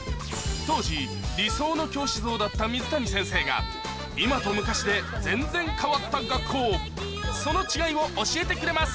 当時理想の教師像だった水谷先生が今と昔で全然変わった学校その違いを教えてくれます